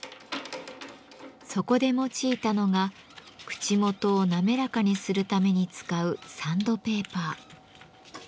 そこで用いたのが口元を滑らかにするために使うサンドペーパー。